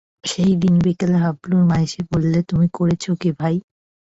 সেইদিন বিকেলে হাবলুর মা এসে বললে, তুমি করেছ কী ভাই?